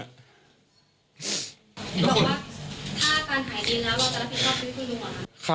อาการหายดีแล้วว่าจะรับผิดทุกอย่างไหมครับ